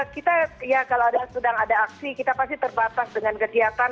kita ya kalau sedang ada aksi kita pasti terbatas dengan kegiatan